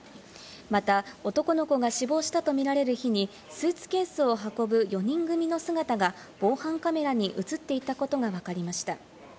また、男の子が死亡したとみられる日にスーツケースを運ぶ４人組の姿が防犯カメラに映っていたことがわかりました。